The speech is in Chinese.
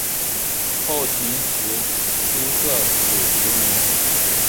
后秦时初设此职名。